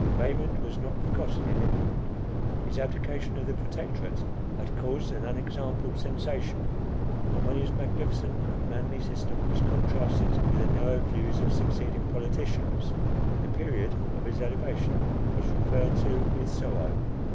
Raymond was not forgotten in England. His abdication of the Protectorate had caused an unexampled sensation; and, when his magnificent and manly system was contrasted with the narrow views of succeeding politicians, the period of his elevation was referred to with sorrow.